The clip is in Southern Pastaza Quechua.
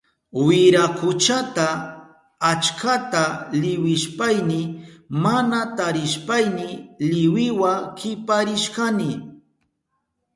Wirakuchata achkata liwishpayni mana tarishpayni liwiwa kiparishkani.